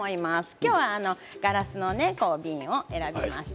今日はガラスの瓶を選びました。